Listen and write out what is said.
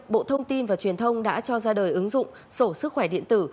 bộ thông tin và truyền thông đã cho ra đời ứng dụng sổ sức khỏe điện tử